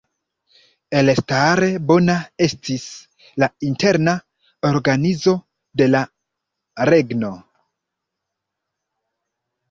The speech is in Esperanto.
Elstare bona estis la interna organizo de la regno.